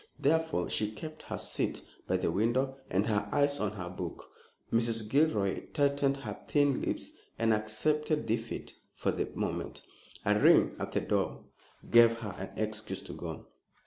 Therefore she kept her seat by the window and her eyes on her book. Mrs. Gilroy tightened her thin lips and accepted defeat, for the moment. A ring at the door gave her an excuse to go.